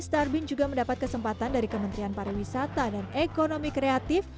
starbin juga mendapat kesempatan dari kementerian pariwisata dan ekonomi kreatif